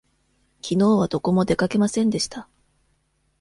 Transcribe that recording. きのうはどこも出かけませんでした。